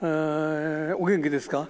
お元気ですか？